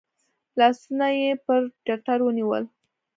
لاسونه یې پر ټتر ونیول .